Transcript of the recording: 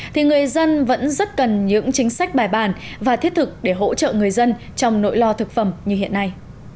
thì người dân vẫn rất cần những chính sách bài bàn và thiết thực để hỗ trợ người dân trong nỗi lo thực phẩm như hiện nay